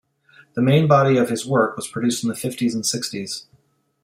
The main body of his work was produced in the fifties and sixties.